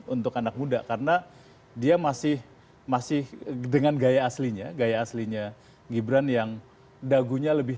untuk anak muda karena dia masih masih dengan gaya aslinya gaya aslinya gibran yang dagunya lebih